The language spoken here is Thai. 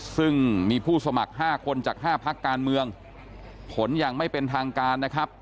ซึ่งมีผู้สมัคร๕คนจาก๕พักการเมืองผลยังไม่เป็นทางการนะครับ